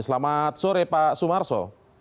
selamat sore pak sumarso